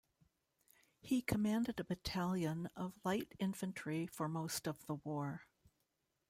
He commanded a battalion of light infantry for most of the war.